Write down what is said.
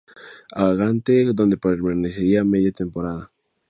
A. Gante, donde permanecería media temporada.